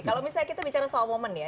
kalau misalnya kita bicara soal momen ya